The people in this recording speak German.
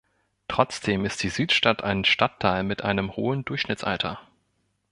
Trotzdem ist die Südstadt ein Stadtteil mit einem hohen Durchschnittsalter.